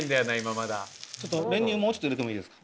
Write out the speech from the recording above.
まだ練乳もうちょっと入れてもいいですか？